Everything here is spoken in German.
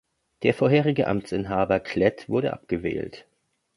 Der vorherige Amtsinhaber Klett wurde abgewählt.